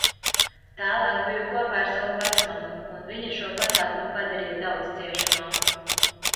Tālāk biju kopā ar savu vecmammu, un viņa šo pasākumu padarīja daudz ciešamāku.